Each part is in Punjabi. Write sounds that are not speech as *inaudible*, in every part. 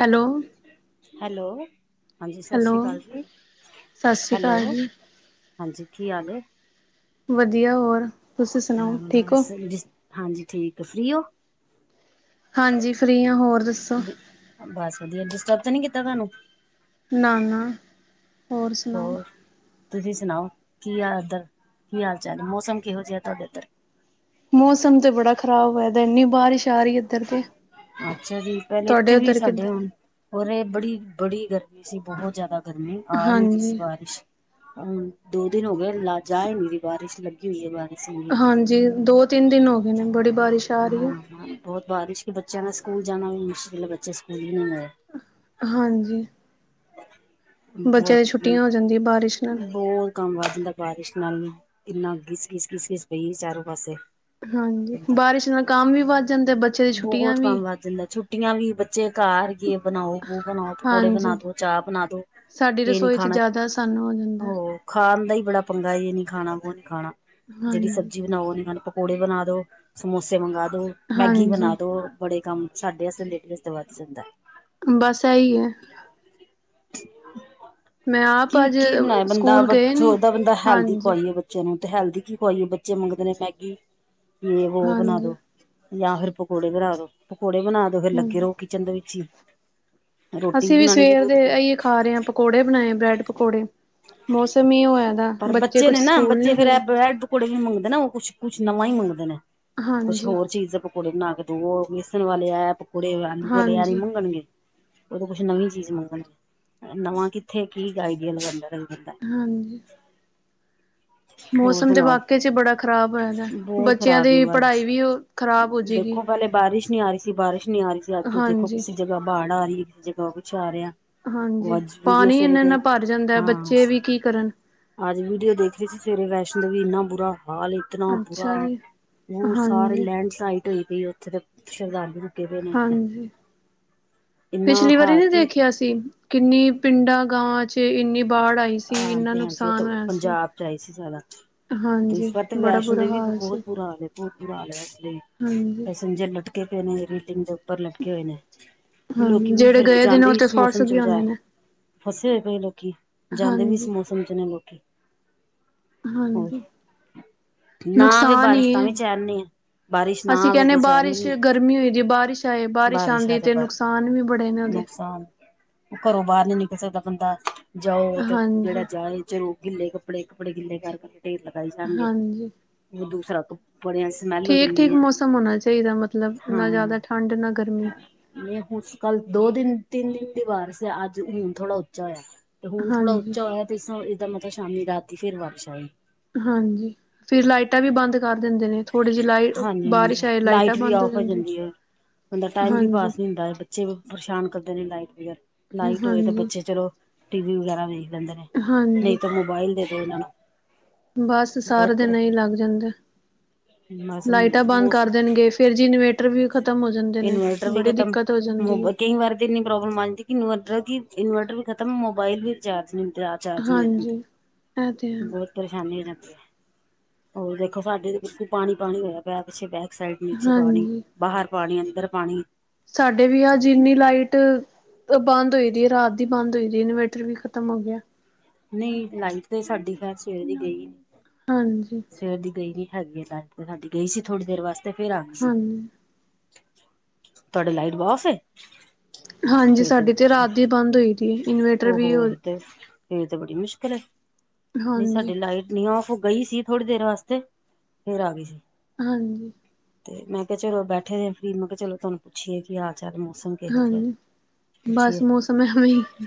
ਹੈਲੋ ਹੈਲੋ ਹਾਂਜੀ ਹੈਲੋ ਸਾਸਰੀ ਕਾਲ ਜੀ ਸਤਿ ਸ਼੍ਰੀ ਅਕਾਲ ਹੈਲੋ ਜੀ ਹਾਂਜੀ ਕੀ ਹਾਲ ਏ। ਵਧੀਆ ਹੋਰ ਤੁਸੀਂ ਹਾਂ ਸੁਣਾਓ ਠੀਕ ਓ। ਬਸ ਹਾਂਜੀ ਠੀਕ ਫ੍ਰੀ ਓ। ਹਾਂਜੀ ਫ੍ਰੀ ਆਂ ਹੋਰ ਦੱਸੋ। ਬਸ ਵਧੀਆ ਡਿਸਟਰਬ ਤੇ ਨੀ ਕੀਤਾ ਤਾਨੂੰ। ਨਾ-ਨਾ ਹੋਰ ਸੁਣਾਓ? ਤੁਸੀਂ ਸੁਣਾਓ ਕੀ ਆ ਇੱਧਰ ਕੀ ਹਾਲ ਚਾਲ ਮੌਸਮ ਕਿਹੋ ਜਿਹੇ ਆ ਤੁਹਾਡੇ ਉਧਰ। ਮੌਸਮ ਤੇ ਬੜਾ ਖ਼ਰਾਬ ਹੋਇਆ ਦਾ ਇਨੀ ਬਾਰਿਸ਼ ਆ ਰਹੀ ਇੱਧਰ ਤੇ। ਅੱਛਾ ਜੀ ਪਹਿਲੇ ਤੁਹਾਡੇ ਇੱਥੇ ਵੀ ਉੱਧਰ ਸਾਡੇ ਕਿੱਧਰ ਹੈ? ਹੁਣ ਔਰ ਇਹ ਬੜੀ ਬੜੀ ਗਰਮੀ ਸੀ ਬਹੁਤ ਜ਼ਿਆਦਾ ਗਰਮੀ ਆ ਨੀ ਰਹੀ ਸੀ ਹਾਂਜੀ ਬਾਰਿਸ਼ ਹੂੰ ਦੋ ਦਿਨ ਹੋ ਗਏ ਲਾ ਜਾ ਇ ਨਹੀਂ ਰਹੀ ਬਾਰਿਸ਼ ਲੱਗੀ ਦੀਏ ਬਾਰੇ ਸੀ ਹਾਂਜੀ ਦੋ ਤਿੰਨ ਦਿਨ ਹੋ ਗਏ ਨੇ ਬੜੀ ਬਾਰਿਸ਼ ਆ ਰਹੀ ਹੈ। ਹਾਂ ਬਹੁਤ ਬਾਰਿਸ਼ ਕਿ ਬੱਚਿਆਂ ਨੇ ਸਕੂਲ ਜਾਣਾ ਵੀ ਮੁਸ਼ਕਿਲ ਹੈ ਬੱਚੇ ਸਕੂਲ ਵੀ ਨਹੀਂ ਗਏ। ਹਾਂਜੀ। ਬੱਚਿਆਂ ਦੀ ਬਹੁਤ ਛੁੱਟੀਆਂ ਹੋ ਜਾਂਦੀਆਂ ਬਾਰਿਸ਼ ਨਾਲ। ਬਹੁਤ ਕੰਮ ਵੱਧ ਜਾਂਦਾ ਬਾਰਿਸ਼ ਨਾਲ ਇੰਨਾ ਗਿਸ ਗਿਸ ਗਿਸਮਿਸ ਪਈ ਚਾਰੋਂ ਪਾਸੇ। ਹਾਂਜੀ ਬਾਰਿਸ਼ ਨਾਲ ਕੰਮ ਵੀ ਵੱਧ ਜਾਂਦੇ ਐ ਬੱਚੇ ਦੀ ਛੁੱਟੀਆਂ ਬਹੁਤ ਵੀ ਕੰਮ ਵੱਧ ਜਾਂਦਾ ਛੁੱਟੀਆਂ ਵੀ ਬੱਚੇ ਘਰ ਜੇ ਬਣਾਓ ਵੋ ਬਣਾਓ ਪਕੌੜੇ ਬਣਾ ਹਾਂਜੀ ਦੋ। ਚਾਹ ਬਣਾ ਦਓ। ਸਾਡੀ ਰਸੋਈ ਚ ਜ਼ਿਆਦਾ ਆਸਾਨੀ ਨਾਲ ਹੁੰਦਾ। ਉਹ ਖਾਣ ਦਾ ਹੀ ਬੜਾ ਪੰਗਾ ਇਹ ਨੀ ਖਾਣਾ ਉਹ ਨੀ ਖਾਣਾ ਜਿਹੜੀ ਹਾਂਜੀ ਸਬਜ਼ੀ ਬਣਾਓ ਉਹ ਨੀ ਖਾਣਾ ਪਕੌੜੇ ਬਣਾ ਦੋ, ਸਮੋਸੇ ਮੰਗਾ ਦੋ, ਮੈਗੀ ਬਣਾ ਹਾਂਜੀ, ਦੋ। ਓ ਬੜੇ ਕੰਮ ਸਾਡੇ ਅਸਤੇ ਲੇਡਿਜ ਅਸਤੇ ਵਧ ਜਾਂਦਾ। ਬਸ ਐਈ ਐ। ਮੈਂ *unintelligible* ਆਪ ਕੀ ਅੱਜ ਕੀ ਬਣਾਏ ਬੰਦਾ। ਸਕੂਲ ਗਏ ਨੀ, ਸੋਚਦਾ ਬੰਦਾ ਹੈਲਦੀ ਹਾਂਜੀ, ਖਵਾਈਏ ਬਚ- ਬੱਚਿਆਂ ਨੂੰ ਤੇ ਹੈਲਦੀ ਕੀ ਖਵਾਈਏ ਬੱਚੇ ਮੰਗਦੇ ਨੇ ਮੈਗੀ ਯੇ ਵੋ ਬਣਾ ਦੋ। ਹਾਂਜੀ। ਜਾਂ ਫਿਰ ਪਕੌੜੇ ਬਣਾ ਦੋ ਪਕੌੜੇ ਬਣਾ ਦੋ। ਫੇਰ ਲੱਗੇ ਹੂੰ, ਰਹੋ ਕਿਚਨ ਦੇ ਵਿੱਚ ਹੀ। ਰੋਟੀ ਅਸੀਂ ਵੀ ਬਣਾਉਣੀ ਸਵੇਰ ਦੇ ਜ਼ਰੂਰੀ ਹੈ ਅਹੀ ਖਾ ਰਹੇ ਹਾਂ ਪਕੌੜੇ ਬਣਾਏ ਬ੍ਰੈਡ ਪਕੌੜੇ। ਮੌਸਮ ਹੀ ਏਹ ਹੋ ਨਾ ਪਰ ਬੱਚੇ ਕੁਛ ਨੇ ਨਾ ਸਕੂਲ ਬੱਚੇ ਨੀ ਫੇਰ ਇਹ ਗਏ। ਬ੍ਰੈਡ ਪਕੌੜੇ ਵੀ ਮੰਗਦੇ ਨੇ ਉਹ ਕੁਛ ਕੁਛ ਨਵਾਂ ਹੀ ਮੰਗਦੇ ਨੇ ਕੁਛ ਹਾਂਜੀ। ਹੋਰ ਚੀਜ਼ ਦੇ ਪਕੌੜੇ ਬਨਾ ਕੇ ਦੇਓ ਵੇਸਣ ਵਾਲੇ ਆ ਪਕੌੜੇ ਆਲੂ ਵਾਲੇ ਆ ਨੀ ਹਾਂਜੀ, ਬਣੇ। ਉਦੋਂ ਕੁਛ ਨਵੀਂ ਚੀਜ਼ ਮੰਗਣ ਨਵਾਂ ਕਿੱਥੇ ਕੀ ਆਈਡੀਆ ਲਗਾਉਂਦਾ ਰਵੇ। ਹਾਜੀ। *inaudible* ਹੋਰ ਤੇ ਸੁਣਾਓ ਵਾਕਈ ਚ ਬੜਾ ਖ਼ਰਾਬ ਹੋਇਆ ਦਾ, ਬਹੁਤ ਬੱਚਿਆਂ ਖਰਾਬ ਦੀ ਉਹ ਅਜ ਪੜ੍ਹਾਈ ਵੀ ਖ਼ਰਾਬ ਹੋ ਜਾਏਗੀ। ਦੇਖੋ ਪਹਿਲੇ ਬਾਰਿਸ਼ ਨੀ ਆ ਰਹੀ ਸੀ ਬਾਰਿਸ਼ ਨੀ ਆ ਰਹੀ ਸੀ ਅੱਜ ਤੁਸੀ ਦੇਖੋ ਹਾਂਜੀ, ਕਿਸੇ ਜਗ੍ਹਾ ਬਾੜ ਆ ਰਹੀ ਹੈ ਕਿਸੇ ਜਗ੍ਹਾ ਕੁਛ ਆ ਰਿਹਾ। ਉਹ ਹਾਂਜੀ ਅੱਜ ਵੀਡੀਓ ਪਾਣੀ ਸਵੇਰੇ ਇੰਨਾ ਦੇ ਇਨਾ ਭਰ ਜਾਂਦਾ ਹਾਂ ਬੱਚੇ ਵੀ ਕੀ ਕਰਨ। ਅੱਜ ਵੀਡੀਓ ਦੇਖ ਰਹੇ ਸੀ ਸਵੇਰੇ ਵੈਸ਼ਨੋ ਦੇਵੀ ਇੰਨਾ ਬੁਰਾ ਹਾਲ ਏ। ਇਤਣਾ ਬੁਰਾ ਅੱਛਾ ਜੀ, ਉਹ ਸਾਰੇ ਹਾਂਜੀ, ਲੈਂਡਸਲਾਈਡ ਹੋ ਪਈ ਉੱਥੇ ਤੇ ਸ਼ਰਧਾਲੂ ਪਏ ਨੇ ਇੱਥੇ ਹਾਂਜੀ ਇੰਨਾ ਪਿਛਲੀ ਵਾਰੀ ਹਾਲ ਨਹੀ ਕਿ ਦੇਖਿਆ ਸੀ। ਕਿੰਨੀ ਪਿੰਡਾਂ ਗਾਵਾਂ ਚ ਇੰਨੀ ਬਾੜ ਆਈ। ਸੀ ਇੰਨਾ ਹਾਂਜੀ ਹਾਂਜੀ ਉਹ ਤੇ ਨੁਕਸਾਨ ਹੋਇਆ ਸੀ। ਪੰਜਾਬ ਚ ਆਈ ਸੀ ਜ਼ਿਆਦਾ। ਇਸ ਹਾਂਜੀ ਵਾਰ ਤੇ ਬੜਾ ਵੈਸ਼ਨੋ ਬੁਰਾ ਦੇਵੀ ਵੀ ਹਾਲ ਬਹੁਤ ਸੀ ਬੁਰਾ ਹਾਲ ਏ। ਬਹੁਤ ਬੁਰਾ ਹਾਲ ਏ ਉਥੇ। ਹਾਂਜੀ। ਪੈਸੈਜਰ ਲਟਕੇ ਪਏ ਨੇ ਰੀਡਿੰਗ ਦੇ ਉੱਪਰ ਲਟਕੇ ਹੋਏ ਨੇ ਹਾਂ ਲੋਕੀ ਵੀ ਜਿਹੜੇ ਫਿਰ ਵੀ ਗਏ ਦੇ ਨੇ ਉਹ ਜਾਂਦੇ ਤੇ ਇਸ ਫਸ ਮੌਸਮ ਚ ਗਏ ਬਜ਼ਾਰ ਹੋਣੇ ਨੇ ਫਸੇ ਹੋਏ ਪਏ ਲੋਕੀ ਜਾਂਦੇ ਵੀ ਇਸ ਹਾਂਜੀ। ਮੌਸਮ ਚ ਨੇ ਲੋਕੀ। ਹੋਰ ਹਾਂਜੀ ਨਾ ਆਵੇ ਨੁਕਸਾਨ ਬਾਰਿਸ਼ ਹੀ ਤਾਂ ਹੈ। ਵੀ ਚੈਨ ਨੀ ਏ। ਅਸੀਂ ਕਹਿੰਦੇ ਬਾਰਿਸ਼ ਗਰਮੀ ਹੋਜੇ ਬਾਰਿਸ਼ ਆਏ ਬਾਰਿਸ਼ ਆਉਂਦੀ ਤੇ ਨੁਕਸਾਨ ਵੀ ਬੜੇ ਨੇ ਉਹਦੇ। ਨੁਕਸਾਨ ਉਹ ਘਰੋਂ ਬਾਹਰ ਨੀ ਨਿਕਲ ਸਕਦਾ ਬੰਦਾ ਜਾਓ ਤੇ ਜਿਹੜਾ ਹਾਂਜੀ ਜਾਏ ਚਲੋ ਗਿੱਲੇ ਕੱਪੜੇ ਕੱਪੜੇ ਗਿੱਲੇ ਕਰ ਕਰਕੇ ਢੇਰ ਲਗਾਈ ਜਾਣਗੇ ਹਾਂਜੀ। ਉਹ ਦੂਸਰਾ ਤੋਂ ਬਣਿਆ ਸੀ ਠੀਕ ਠੀਕ ਮੌਸਮ ਹੋਣਾ ਚਾਹੀਦਾ ਮਤਲਬ ਹਾਂ ਨਾ ਜ਼ਿਆਦਾ ਠੰਡ ਨਾ ਗਰਮੀ। ਨਹੀਂ ਹੁਣ ਕੱਲ ਦੋ ਦਿਨ ਤਿੰਨ ਦਿਨ ਦੀ ਬਾਰਸ਼ ਹੈ ਅੱਜ ਹੁਣ ਥੋੜਾ ਉੱਚਾ ਹੋਇਆ। ਤੇ ਹੁਣ ਥੋੜ੍ਹਾ ਹਾਂਜੀ। ਉੱਚਾ ਹੋਇਆ ਤੇ ਇਹਦਾ ਮਤਲਬ ਸ਼ਾਮੀ ਰਾਤੀ ਫੇਰ ਬਾਰਿਸ਼ ਆਏਗੀ। ਹਾਂਜੀ ਫਿਰ ਲਾਈਟਾਂ ਵੀ ਬੰਦ ਕਰ ਦਿੰਦੇ ਨੇ ਥੋੜੇ ਜਿਹੀ ਲਾਈਟ ਹਾਂਜੀ ਬਾਰਿਸ਼ ਹਾਂਜੀ ਆਏ ਲਾਈਟਾਂ ਲਾਈਟ ਵੀ ਬੰਦ ਆਫ ਹੋ ਜਾਂਦੀ ਏ। ਬੰਦਾ ਟਾਈਮ ਵੀ ਹਾਂਜੀ ਪਾਸ ਨਹੀਂ ਹੁੰਦਾ ਬੱਚੇ ਵੀ ਪਰੇਸ਼ਾਨ ਕਰਦੇ ਨੇ, ਲਾਈਟ ਬਗੈਰ ਲਾਈਟ ਹੋਏ ਤੇ ਹਾਂਜੀ ਬੱਚੇ ਚਲੋ। ਟੀ ਵੀ ਵਗੈਰਾ ਵੇਖ ਲੈਦੇ ਨੇ ਨਹੀਂ ਹਾਂਜੀ ਤਾਂ ਮੋਬਾਇਲ ਦੇ ਦਵੋ ਇਹਨਾਂ ਨੂੰ ਬਸ ਸਾਰੇ ਬਹੁਤ ਦਿਨ ਐਹੀ ਲੰਘ ਜਾਂਦੇ। ਬਸ ਲਾਈਟਾਂ ਬੰਦ ਕਰ ਮੌਸਮ ਦੇਣਗੇ ਫੇਰ ਜੀ ਇਨਵੇਟਰ ਵੀ ਖ਼ਤਮ ਹੋ ਜਾਂਦੇ ਨੇ। ਇਨਵਰਟਰ ਵੀ ਬੜੀ ਖਤਮ ਦਿੱਕਤ ਹੋ ਜਾਂਦੀ ਹੈ ਕਈ ਵਾਰ ਇੰਨੀ ਪ੍ਰੋਬਲਮ ਆ ਜਾਂਦੀ ਇਨਵਰਟਰ ਕਿ ਇਨਵਰਟਰ ਵੀ ਖਤਮ ਮੋਬਾਈਲ ਵੀ ਚਾਰਜ ਨੀ ਦੁੰਦੇ ਆਹ ਚਾਰਜ ਨਹੀਂ ਹਾਂਜੀ ਇਹ ਤੇ ਹੈ ਦਿੰਦੇ ਬਹੁ ਪਰੇਸ਼ਾਨੀ ਹੋ ਜਾਂਦੀ ਹੈ ਹੋਰ ਦੇਖੋ ਸਾਡੇ ਤੇ ਬਕੂ ਪਾਣੀ ਪਾਣੀ ਹੋਇਆ ਪਿਆ ਪਿੱਛੇ ਬਹਿ ਕੇ ਸਾਈਡ ਨੀਚੇ ਪਾਣੀ ਹਾਂਜੀ ਬਾਹਰ ਪਾਣੀ ਅੰਦਰ ਪਾਣੀ ਸਾਡੇ ਵੀ ਆ ਜਿੰਨੀ ਲਾਈਟ, ਬੰਦ ਹੋਈ ਦੀ ਹੈ ਰਾਤ ਦੀ ਬੰਦ ਹੋਈ ਔਰ ਇਨਵੇਰਟਰ ਵੀ ਖ਼ਤਮ ਹੋ ਗਿਆਂ ਨਹੀਂ ਲਾਈਟ ਤੇ ਸਾਡੀ ਖੈਰ ਸਵੇਰ ਦੀ ਗਈ। ਹਾਂਜੀ, ਸਵੇਰ ਦੀ ਗਈ ਨੀ ਹੈਗੀ, ਤੇ ਸਾਡੀ ਗਈ ਸੀ ਥੋੜ੍ਹੀ ਦੇਰ ਵਾਸਤੇ ਫਿਰ ਆਗੀ। ਹਾਂਜੀ ਤੁਹਾਡੇ ਲਾਈਟ ਵਾਫ ਹਾਂਜੀ ਸਾਡੀ ਤੇ ਰਾਤ ਦੀ ਬੰਦ ਹੋਈ ਸੀ ਇਨਵੇਟਰ ਓਹੋ ਵੀ ਤੇ ਫੇਰ ਤੇ ਬੜੀ ਮੁਸ਼ਕਿਲ ਹੈ ਨਹੀਂ ਹਾਂਜੀ, ਸਾਡੀ ਲਾਈਟ ਨੀ ਓਫ ਹੋ ਗਈ ਸੀ ਥੋੜ੍ਹੀ ਦੇਰ ਵਾਸਤੇ ਫੇਰ ਆ ਗਈ ਸੀ ਹਮ ਤੇ ਮੈਂ ਕਿਹਾ ਚਲੋ ਬੈਠੇ ਹ ਆ ਫਰੀ ਮੈਂ ਕਿਹਾ ਚਲੋ ਤੁਹਾਨੂੰ ਪੁੱਛੀਏ ਕੀ ਹਾਲ ਚਾਲ ਮੌਸਮ ਕਿਹੋ ਜਿਹਾ ਏ। ਹਾਂਜੀ ਪੁੱਛੀਏ ਬਸ ਮੌਸਮ ਐਵੇਂ ਹੀ ਹੈ।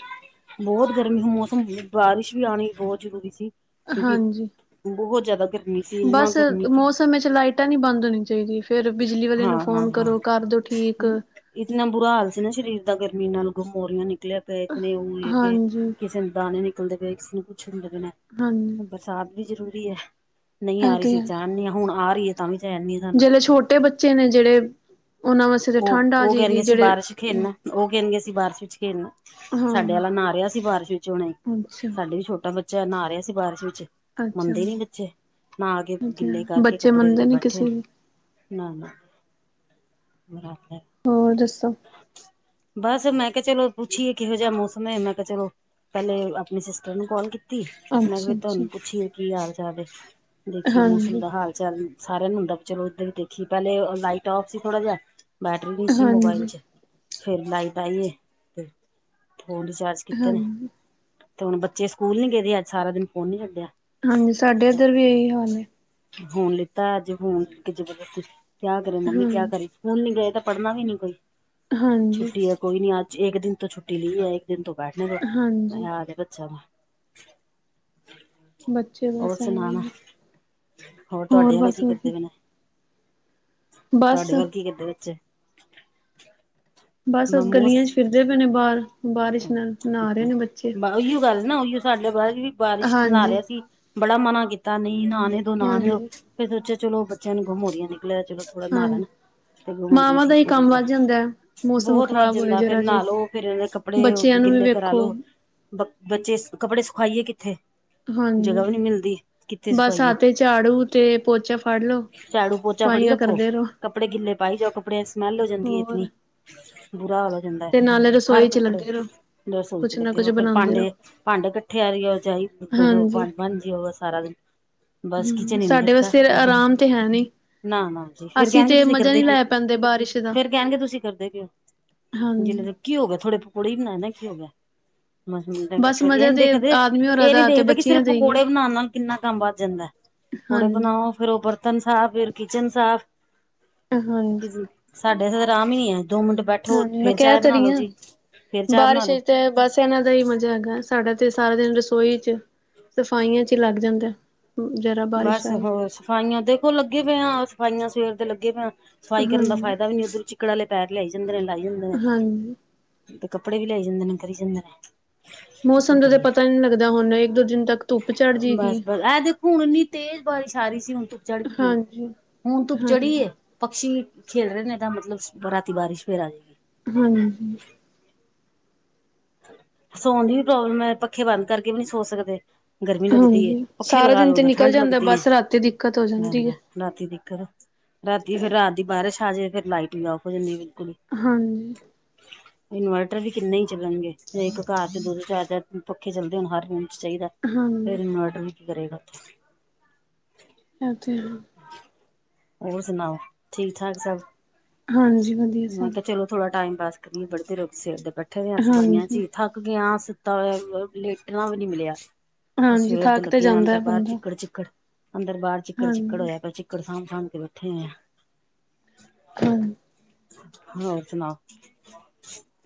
ਬਹੁਤ ਗਰਮੀ ਹ ਮੌਸਮ ਬਾਰਿਸ਼ ਵੀ ਆਉਣੀ ਬਹੁਤ ਜ਼ਰੂਰੀ ਸੀ ਕਿਉਂਕਿ ਹਾਂਜੀ। ਬਹੁਤ ਜ਼ਿਆਦਾ, ਗਰਮੀ ਸੀ ਇੰਨਾ ਬਸ ਗਰਮੀ ਕਿ ਮੌਸਮ ਵਿੱਚ ਲਾਈਟਾਂ ਨਹੀਂ ਬੰਦ ਹੋਣੀ ਚਾਹੀਦੀਆਂ, ਫੇਰ ਬਿਜਲੀ ਵਾਲੇ ਹਾਂ ਨੂੰ ਹਾਂ ਫੋਨ ਹਾਂ ਕਰੋ ਕਰ ਦਿਉ ਠੀਕ। ਇਤਨਾ ਬੁਰਾ ਹਾਲ ਸੀ ਨਾ ਸਰੀਰ ਦਾ ਗਰਮੀ ਨਾਲ ਗ ਮੋਰੀਆਂ ਨਿਕਲਿਆ। ਨ ਉਹ ਹਾਂਜੀ, ਕਿਸੇ ਨੂੰ ਦਾਣੇ ਨਿਕਲਦੇ ਪਏ ਕਿਸੇ ਨੂੰ ਕੁੱਛ ਨ ਲ ਪਣਾ ਹਾਂਜੀ, ਬਰਸਾਤ ਵੀ ਜ਼ਰੂਰੀ ਹੈ ਨਹੀਂ ਆ ਇਹ ਰਹੀ ਤੇ ਸੀ ਹੈ ਚਣਨੀ ਹਾਂ ਹੁਣ ਆ ਰਹੀਏ ਤਾਂ ਵੀ ਜਾਨੀ ਜਿਹੜੇ ਛੋਟੇ ਬੱਚੇ ਨੇ ਜਿਹੜੇ। ਉਹਨਾਂ ਵਾਸਤੇ ਤਾਂ ਉਹ ਠੰਡ ਆ ਉਹ ਕਹਿਣਗੇ ਜਾਏਗੀ ਅਸੀਂ ਜਿਹੜੇ ਬਾਰਿਸ਼ ਖੇਡਣਾ ਉਹ ਕਹਿਣਗੇ, ਅਸੀਂ ਬਾਰਿਸ਼ ਵਿੱਚ ਖੇਡਣਾ। ਹਾਂ ਸਾਡੇ ਆਾ ਨਾ ਰਿਹਾ ਸੀ ਬਾਰਿਸ਼ ਵਿੱਚ ਹੁਣੇ ਅੱਛਾ, ਸਾਡੇ ਵੀ ਛੋਟਾ ਬੱਚਾ ਨਾ ਰਿਹਾ ਸੀ ਬਾਰਿਸ਼ ਵਿੱਚ ਅੱਛਾ ਮੰਨਦੇ ਨੀ ਬੱਚੇ ਨਾ ਆ ਕੇ ਗਿੱਲੇ ਕਰਕੇ ਬੱਚੇ ਕੱਪੜੇ ਦੇ ਮੰਨਦੇ ਤੇ ਨੀ ਬੈਠੇ ਨੇ ਕਿਸੇ ਦੀ ਨਾ ਨਾ। ਹੋਰ ਆਪ ਹੈ। ਹੋਰ ਦੱਸੋ। ਬਸ ਮੈਂ ਕਿਹਾ ਚਲੋ, ਪੁੱਛੀਏ ਕਿਹੋ ਜਿਹਾ ਮੌਸਮ ਹੈ ਮੈਂ ਕਿਹਾ ਚਲੋ। ਪਹਿਲੇ ਆਪਣੇ ਸਿਸਟਰ ਨੂੰ ਕਾਲ ਕੀਤੀ। ਮੈਂ ਕਿਹਾ ਅੱਛਾ, ਅੱਛਾ ਤੁਹਾਨੂੰ ਪੁੱਛੀਏ ਕੀ ਹਾਲ ਚਾਲ, ਦੇਖੀਏ ਮੌਸਮ ਹਾਂਜੀ, ਦਾ ਹਾਲ ਚੱਲ ਸਾਰਿਆਂ ਨੂੰ ਹੁੰਦਾ ਚਲੋ, ਧਰ ਵੀ ਦੇਖੀ ਪਹਿਲੇ ਲਾਈਟ ਆਫ ਸੀ ਥੋੜਾ ਜਿਹਾ। ਬੈਟਰੀ ਵੀ ਸੀ, ਮੋਬਾਇਲ ਹਾਂਜੀ, ਚ ਫੇਰ ਲਾਈਟ ਆਈਏ ਤੇ ਥੋ ਚਾਰ ਕੀਤੇ ਨੇ ਹਾਂਜੀ, ਤੇ ਹੁਣ ਬੱਚੇ ਸਕੂਲ ਨੀ ਗਏ, ਦੇ ਅੱਜ ਸਾਰਾ ਦਿਨ ਫੋਨ ਨੀ ਹਾਂਜੀ ਸਾਡੇ ਇੱਧਰ ਵੀ ਇਹੀ ਹਾਲ ਐ, ਫੁਣ ਲਿੱਤਾ ਅੱਜ ਫੁਣ ਜਸੀ ਕਿਆ ਕਰੇ, ਮੰਮੀ ਹਾਂ ਕਿਆ ਕਰੇ। ਹੁਣ ਨੀ ਗਏ ਤਾਂ ਪੜ੍ਹਨਾ ਵੀ ਨੀ ਕੋਈ ਹਾਂਜੀ ਛੁੱਟੀ ਹੈ, ਕੋਈ ਨੀ ਅੱਜ ਇੱਕ ਦਿਨ ਤੋਂ ਛੁੱਟੀ ਲਈ ਹੈ। ਦਿਨ ਤੋਂ ਬੈਠਣੇ ਹਾਂਜੀ ਆਜ ਬੱਚਿਆਂ ਦਾ। ਬੱਚੇ ਹੋਰ ਬਸ ਸੁਣਾ ਐਵੇਂ ਨਾ ਨੇ ਹੋਰ ਤੁਹਾਡੀਆਂ ਨੇ ਬਸ ਕੀ ਕਰਦੇ ਪਏ। ਵਧੀਆ ਬਸ ਤੁਹਾਡੇ ਵੱਲ ਕੀ ਕਿੱਦਾਂ ਵਿੱਚ, ਬਸ ਮੋਮੋਸ ਗਲੀਆਂ ਚ ਫਿਰਦੇ ਪਏ, ਨੇ ਬਾਹਰ ਬਾਰਿਸ਼ ਨਾਲ ਨਾ ਰਹੇ ਨੇ ਬੱਚੇ। ਉਹੀਓ ਗੱਲ ਨਾ ਉਹੀਓ ਸਾਡੇ ਪਤਾ ਬਾਰਿਸ਼ ਨਾ ਹਾਂਜੀ ਰਿਹਾ ਸੀ, ਬੜਾ ਮਨਾ ਕੀਤਾ ਨਹੀਂ ਨ ਨਾ ਲਓ ਹਾਂਜੀ ਫਿਰ ਸੋਚਿਆ ਚਲੋ ਬੱਚਿਆਂ ਨੂੰ ਗੁੰਮ ਹੋੜਿਆ ਨਿਕਲਿਆ ਚਲੋ ਥੋੜਾ ਨਾ ਹਾਂ ਲੈਣਾ। ਤੇ ਮੋਰੀਆਂ ਮਾਵਾਂ ਦਾ ਹੀ ਠੀਕ ਹੋ ਕੰਮ ਜਾਏਗਾ, ਵੱਧ ਜਾਂਦਾ ਹੈ ਮੌਸਮ ਬਹੁਤ ਵਾਰ ਖ਼ਰਾਬ ਹੋਏ ਜਾਂਦਾ ਫੇਰ ਜਰਾ ਜੇ ਨਾਲ ਉਹ ਫਿਰ ਇਹ ਨੇ ਕੱਪੜੇ ਕੱਪੜੇ ਬੱਚਿਆਂ ਨੂੰ ਵੀ ਗਿੱਲੇ ਵੇਖੋ ਕਰਾਲੋ,,, ਬ ਬੱਚੇ ਕੱਪੜੇ ਸੁਖਾਈਏ ਕਿੱਥੇ? ਜਗ੍ਹਾ ਹਾਂਜੀ,,,, ਵੀ ਨਹੀਂ ਮਿਲਦੀ ਕਿੱਥੇ ਬਸ ਸੁਖਾਈਏ ਹੱਥ ਚ ਝਾੜੂ ਤੇ ਪੋਚਾ ਫੜ ਲੋ, ਝਾੜੂ ਪੋਚਾ ਫੜੀ ਰੱਖੋ ਕੱਪੜੇ ਗਿੱਲੇ ਪਾਈ ਜਾਓ ਕੱਪੜਿਆਂ ਦੀ ਸੁਮੇਲ ਹੋ ਜਾਂਦੀ ਹੈ ਹੋਰ ਇਤਨੀ, ਬੁਰਾ ਹਾਲ ਹੋ ਜਾਂਦਾ ਹੈ ਤੇ ਨਾਲੇ ਹਰ ਇੱਕ, *unintelligible* ਕੁਛ ਨਾ ਕੁਛ ਬਣਾਉਂਦੇ ਰਹੋ ਹਾਂਜੀ *unintelligible* ਬਸ ਹੂੰ ਕਿਚਨ ਹੀ ਨਹੀਂ ਸਾਡੇ ਛੱਡਦਾ ਵਸਤੇ ਕਿਚਨ ਆਰਾਮ ਤੇ ਹੈ ਨੀ, ਨਾ ਨਾ ਜੀ ਫਿਰ ਅਸੀਂ ਕਹਿਣਗੇ, ਤੇ ਤੁਸੀਂ ਮਜ਼ਾ ਕਰਦੇ ਨਹੀਂ ਕਿਓ? ਲੈ ਪਾਂਦੇ ਬਾਰਿਸ਼ ਦਾ, ਫੇਰ ਕਹਿਣਗੇ ਤੁਸੀਂ ਕਰਦੇ ਕੀ ਓ? ਹਾਂਜੀ। ਕੀ ਹੋ ਗਿਆ ਥੋੜੇ ਪਕੌੜੇ ਹੀ ਬਣਾਏ ਨਾ ਕੀ ਹੋ ਗਿਆ, ਬਸ *unintelligible* ਮਜ਼ਾ ਤੇ ਆਦਮੀ ਹੋਰਾਂ ਇਹ ਨੀ ਦਾ ਤੇ ਦੇਖਦੇ ਕਿ ਬੱਚਿਆਂ ਸਿਰਫ ਦਾ ਈ ਐ, ਪਕੌੜੇ ਬਣਾਉਣ ਨਾਲ ਕਿੰਨਾ ਕੰਮ ਵੱਧ ਜਾਂਦਾ, ਪਕੌੜੇ ਹਾਂਜੀ। ਬਣਾਓ, ਫੇਰ ਉਹ ਬਰਤਨ ਸਾਫ਼ ਫਿਰ ਕਿਚਨ ਸਾਫ਼ ਹਾਂਜੀ, ਸਾਡੇ ਇਹ ਆਰਾਮ ਹੀ ਹੈ ਦੋ ਮਿੰਟ ਬੈਠੋ ਹਾਂਜੀ ਮੈਂ ਫੇਰ ਕਹਿ ਚਾਅ ਤਾਂ ਬਣਾ ਰਹੀ ਲੋੋ ਆ। ਜੀ, ਫੇਰ ਚਾਹ ਬਣਾ ਬਾਰਿਸ਼ ਲੋ ਹੋਏ ਤੇ ਬਸ, ਪਹਿਲਾ ਜਾ ਹੀ ਮਜ਼ਾ ਹੈਗਾ, ਸਾਡਾ ਤੇ ਸਾਰਾ ਦਿਨ ਰਸੋਈ ਚ ਸਫਾਈਆਂ ਚ ਹੀ ਲੱਗ ਜਾਂਦਾ, ਹੂੰ ਜਰਾ, ਬਾਰਿਸ਼ ਬਸ ਆਏ, ਹੋਰ ਸਫਾਈਆਂ ਦੇਖੋ ਲੱਗੇ ਪਈਆਂ, ਸਫਾਈਆਂ ਸਵੇਰ ਦੇ ਲੱਗੇ ਪਈਆਂ। ਸਫਾਈ ਕਰਨ ਦਾ ਹਾਂਜੀ। ਫਾਇਦਾ ਵੀ ਨੀ ਉੱਧਰ ਵਿੱਚ, ਚੀਕੜ ਵਾਲੇ ਪੈਰ ਲਿਆਏ ਜਾਂਦੇ ਨੇ ਲਏ ਜਾਂਦੇ ਨੇ ਹਾਂਜੀ, ਤੇ ਕੱਪੜੇ ਵੀ ਲਿਆਏ ਜਾਂਦੇ ਨੇ ਕਰੀ ਜਾਂਦੇ ਨੇ, ਕੀ ਮੌਸਮ ਦਾ ਤਾਂ ਕਰੀਏ ਪਤਾ ਹੀ ਨਹੀਂ ਲੱਗਦਾ, ਹੁਣ ਇੱਕ ਦੋ ਦਿਨ ਤੱਕ, ਧੁੱਪ ਚੜ ਜੇਗੀ। ਬਸ ਬਸ ਇਹ ਦੇਖੋ, ਹੁਣ ਇੰਨੀ ਤੇਜ਼ ਬਾਰਿਸ਼ ਆ ਰਹੀ ਸੀ ਹੁਣ ਤੂੰ ਚੜ੍ਹ ਕੇ, ਹਾਂਜੀ, ਹੁਣ ਧੁੱਪ ਚੜੀ ਹਾਂਜੀ, ਆ ਪਕਸੀ ਖੇਲ ਰਹੇ ਨੇ ਏਦਾਂ, ਮਤਲਬ ਰਾਤੀ ਬਾਰਿਸ਼ ਫਿਰ ਆਨੀ ਹੈ, ਹਾਂਜੀ, ਸੌਣ ਦੀ ਵੀ ਪ੍ਰੋਬਲਮ ਹੈ, ਪੱਖੇ ਬੰਦ ਕਰਕੇ ਵੀ ਨੀ ਸੋ ਸਕਦੇ, ਗਰਮੀ ਲੱਗਦੀ ਆਂ ਹਾਂਜੀ ਪੱਖੇ ਸਾਰਾ ਲਗਾ ਦਿਨ ਲਓ, ਤੇ ਤਾਂ ਨਿਕਲ ਠੰਢ ਜਾਂਦਾ ਲੱਗਦੀ ਬਸ ਰਾਤੀ ਦਿੱਕਤ ਹੋ ਜਾਂਦੀ ਹੈ। ਹੈ। ਰਾਤੀ ਦਿੱਕਤ ਆ ਰਾਤੀ ਫੇਰ ਰਾਤ ਦੀ ਬਾਰਿਸ਼ ਆ ਜੇ ਫੇਰ ਲਾਈਟ ਵੀ ਔਫ ਹੋ ਜਾਂਦੀ ਕੁ, ਹਾਂਜੀ, ਇਨਵਰਟਰ ਵੀ ਕਿੰਨੇ ਚੱਲਣਗੇ, ਇੱਕ ਘਰ ਚ ਦੋ ਦੋ ਚਾਰ ਚਾਰ, ਹੁਣ ਪੱਖੇ ਚੱਲਦੇ ਹੁਣ ਹਰ ਮਨ ਚਾਹੀਦਾ ਫੇਰ ਹਾਂਜੀ ਇਨਵਰਡਰ ਵੀ ਕੀ ਕਰੇਗਾ ਉਥੇ? ਆ ਤੇ, ਹੋਰ ਸੁਣਾਓ ਠੀਕ ਠਾਕ ਸਭ? ਹਾਂਜੀ ਵਧੀਆ ਮੈਂ ਸਭ ਕਿਹਾ ਚਲੋ, ਥੋੜਾ ਟਾਈਮ ਪਾਸ ਕਰੀਏ ਬੜੇ ਤੇਰ ਸਿਰ ਤੇ ਬੈਠੇ ਹੋ ਆ ਸਵਾਈਆਂ ਚ ਹਾਂਜੀ ਹੀ ਥੱਕ ਗਿਆ ਸੁੱਤਾ ਵ ਲੇਟਣਾ ਵੀ ਨੀ ਮਿਲਿਆ, ਹਾਂਜੀ ਸਵੇਰ ਤੇ ਥੱਕ ਲੱਗੇ ਜਾਂਦਾ ਹੈ ਅੰਦਰ ਬਾਹਰ ਬੰਦਾ ਚਿੱਕੜ ਚਿੱਕੜ, ਅੰਦਰ ਬਾਹਰ ਚਿੱਕੜ ਚਿੱਕੜ ਹਾਂਜੀ ਹੋਇਆ ਪਿਆ ਜੀ, *unintelligible* *inaudible* ਹੋਰ ਸੁਣਾਓ?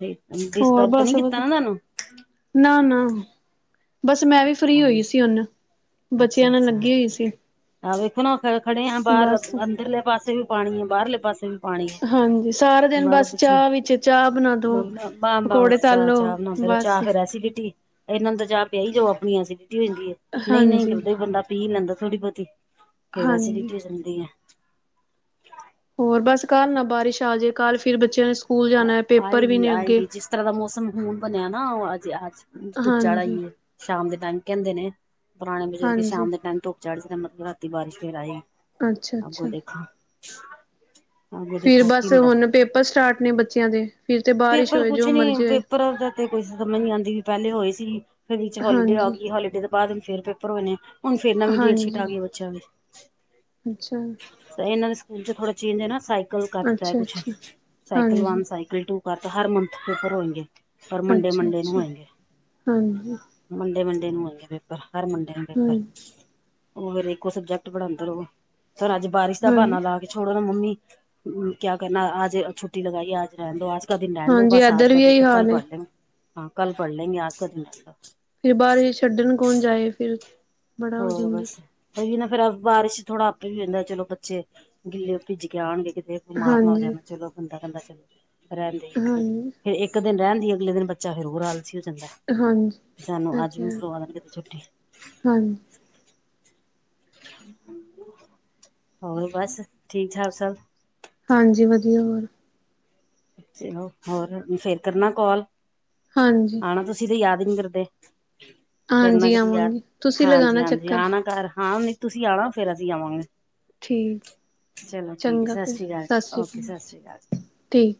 ਡਿਸਟਬ ਨੀ ਕੀਤਾ ਨਾ ਤੁਹਾਨੂੰ, ਨਾ-ਨਾ, ਬਸ ਮੈਂ ਵੀ ਫ੍ਰਰੀ ਹਾਂਜੀ, ਹੋਈ ਸੀ ਹੁਨ ਬੱਚਿਆਂ ਨਾਲ ਅੱਛਾ-ਅੱਛਾ। ਲੱਗੀ ਹੋਈ ਸੀ, ਆਹ ਵੇਖੋ ਨਾ ਖੜੇ ਆ ਬਾਹਰ ਬਸ ਅੰਦਰਲੇ ਪਾਸੇ ਵੀ ਪਾਣੀ ਆ ਬਾਹਰਲੇ ਪਾਸੇ ਵੀ। ਹਾਂਜੀ ਸਾਰਾ ਦਿਨ ਬਸ *inaudible* ਚਾਹ ਵਿੱਚ ਚਾਹ ਬਣਾ ਦੋ ਪਕੌੜੇ ਤਲ ਚਾਹ ਲੋ ਚਾਹ ਬਣਾਉਦੇ ਰ ਬਸ ਚਾਹ ਫੇਰ ਐਸੀ ਗਟੀ, ਇਹਨਾ ਨੂੰ ਤਾ ਚਾਹ ਪਿਆਈ ਜਾੳ, ਨਹੀ-ਨਹੀ ਬੰਦਾ ਹਾਂਜੀ ਥੋੜੀ-ਥੋੜਾ ਬਹੁਤੀ ਪੀ ਲੈਦਾ। ਫੇਰ ਹਾਂਜੀ ਐਸੀਡਿਟੀ ਹੋ ਜਾਂਦੀ ਹੈ, ਹੋਰ ਬਸ ਕੱਲ ਨਾ ਬਾਰਿਸ਼ ਆ, ਜੇ ਕੱਲ ਫਿਰ ਬੱਚਿਆਂ ਨੇ ਸਕੂ, ਆਏਗੀ ਆਏਗੀ, ਜਿਸ ਤਰ੍ਹਾਂ ਦਾ ਮੌਸਮ ਹੁਣ ਬਣਿਆ ਨਾ ਉਹ ਅਜੇ ਅਜ ਧੁੱਪ ਚੜ ਆਏ ਹਾਂਜੀ ਗਈ, ਸ਼ਾਮ ਦੇ ਟਾਈਮ ਕਹਿੰਦੇ ਨੇ, ਪੁਰਾਣੇ ਬਜ਼ੁਰਗ ਹਾਂਜੀ ਸ਼ਾਮ ਦੇ ਟਾਈਮ ਤੋਂ। ਚੜ ਕੇ ਮਤਲਬ ਰਾਤੀ ਬਾਰਸ਼ ਫੇਰ ਆਏ ਗਈ। ਅੱਛਾ, ਅੱਛਾ, ਅੱਛਾ, ਅੱਗੋਂ ਫਿਰ ਦੇਖੋ ਕੀ ਬਸ ਹੁੰਦਾ। ਹੁਣ ਪੇਪਰ ਸਟਾਟ ਨੇ ਬੱਚਿਆਂ ਦੇ ਫਿਰ ਤੇ ਬਾਰਿਸ਼ ਹੋਏ ਜੋ ਮਰਜ਼ੀ ਹੋਏ। ਪ੍ਰਬ ਦਾ ਤੇ ਕੋਈ ਸਮਝ ਨੀ ਆਂਦੀ ਵੀ ਪੈਲੇ ਹੋਏ ਸੀ, ਫਿਰ ਵਿੱਚ ਹੋਲੀਡੇ ਹਾਂਜੀ ਆਗੀ ਹੋਲੀਡੇ ਬਾਦ ਵਿੱਚ ਫੇਰ ਪੇਪਰ ਹੋਏ, ਨੇ ਹੁਣ ਫੇਰ ਨਵੀਂ ਡੇਟਸ਼ੀਟ ਹਾਂਜੀ ਆਗੀ ਬੱਚਿਆਂ ਦੀ। ਅੱਛਾ ਜੀ। ਏਨਾਂ ਦੇ ਸਕੂਲ ਚ ਥੋੜਾ ਚੇਂਜ ਐ ਨਾ ਸਾਈਕਲ ਕਰ ਦਿੱਤਾ, ਅੱਛਾ ਕੁੱਛ ਅੱਛਾ ਸਾਈਕਲ ਵਨ ਹਾਂਜੀ ਸਾਈਕਲ ਥ੍ਰੀ ਟੂ ਕਰਤਾ ਹਰ ਮੰਥ ਪੇਪਰ ਹੋਏਗੇ, ਪਰ ਅੱਛਾ ਮੰਡੇ-ਮੰਡੇ ਨੂੰ ਅੱਛਾ ਹੋਏਗੇ। ਹਾਂਜੀ ਮੰਡੇ-ਮੰਡੇ ਨੂੰ ਹੋਏਗੇ ਪੇਪਰ, ਹਰ ਮੰਡੇ ਨੂੰ ਪੇਪਰ। ਹਾਂਜੀ ਉਹ ਫੇਰ ਇੱਕੋ ਸਬਜੈਕਟ ਪੜ੍ਹਾਂਦੇ ਰਵੂ, ਸਰ ਅੱਜ ਬਾਰਿਸ਼ ਦਾ ਬਾਨਾ ਹਾਂਜੀ ਲਾ ਕੇ ਛੜੋ ਨਾ ਮੰਮੀ, ਕਿਆ ਕਰਨਾ ਆਜ ਛੁੱਟੀ ਲਗਾਈਏ ਆਜ ਰੈਣ ਦੋ ਆਜ ਕਾ ਦਿਨ ਰੈਣ ਦੋ ਹਾਂਜੀ ਬਸ ਆਜ ਇੱਧਰ ਕਾ ਵੀ ਦਿਨ, ਇਹੀ ਫਿਰ ਕੱਲ ਹਾਲ ਹੈ ਪੜ੍ਹ ਲੈਂਗੇ, ਹਾਂ ਕੱਲ ਪੜ੍ਹ ਲੈਂਗੇ ਆਜ ਕਾ ਦਿਨ ਫਿਰ ਬਾਦ ਵਿਚ, ਛੱਡਣ ਕੌਣ ਜਾਏ ਫਿਰ। ਬੜਾ ਹਾ ਹੋ ਜਾਂਦਾ ਬਸ। ਔ ਵੀ ਨਾ ਫਿਰ ਬਾਰਿਸ਼ ਚ ਥੋੜ੍ਹਾ ਆਪੇ ਵੀ ਹੋ ਜਾਂਦਾ, ਚਲੋ ਬੱਚੇ ਗਿੱਲੇ ਭਿੱਜ ਕੇ ਆਣਗੇ ਕਿਤੇ ਬਿਮਾਰ ਨਾ ਹੋ ਹਾਂਜੀ ਜਾਣ, ਚਦੋਂ ਬੰਦਾ ਕੈਂਦਾ ਚਲੋ ਰੈਣ ਦੇ ਇੱਕ ਦਿਨ। ਹਾਂਜੀ ਜੇ ਇੱਕ ਦਿਨ ਰੈਣ ਦੀਏ, ਅਗਲੇ ਦਿਨ ਬੱਚਾ ਫੇਰ ਹੋਰ ਆਲਸੀ ਹੋ ਜਾਂਦਾਂ ਹਾਂਜੀ ਐ। ਸਾਨੂੰ ਇਹ ਅੱਜ ਤੇ ਵੀ ਹੈ ਕਰਵਾ ਦੋ, ਛੁੱਟੀ। ਹਾਂਜੀ। *inaudible* ਹੋਰ ਬਸ, ਠੀਕ ਠਾਕ ਸਭ? ਹਾਂਜੀ ਵਧੀਆ, ਹੋਰ ਚਲੋ, ਫੇਰ ਕਰਨਾ ਕਾੱਲ। ਹਾਂਜੀ। ਨਾ, ਤੁਸੀਂ ਤੇ ਯਾਦ ਨੀ ਕਰਦੇ। ਕਰਨਾ ਹਾਂਜੀ ਕਦੀ ਯਾਦ, ਆਵਾਂਗੇ ਤੁਸੀਂ ਲਗਾਣਾ ਹਾਂਜੀ-ਹਾਂਜੀ ਚੱਕਰ ਆਣਾ ਘਰ, ਹਾਂ ਨੀ ਤੁਸੀਂ ਆਣਾ, ਫੇਰ ਅਸੀਂ ਆਵਾਂਗੇ। ਠੀਕ ਚਲੋ ਠੀਕ ਐ, ਚੰਗਾ ਸਤਿ ਫਿਰ ਸ਼੍ਰੀ ਕਾਲ ਜੀ, ਸਤਿ ਸ਼੍ਰੀ ਓਕੇ ਅਕਾਲ ਸਤਿ ਸ਼੍ਰੀ ਕਾਲ ਜੀ। ਠੀਕ